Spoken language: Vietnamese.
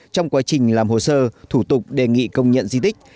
trong quá trình làm hồ sơ thủ tục đề nghị công nhận di tích